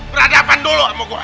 berhadapan dulu sama gua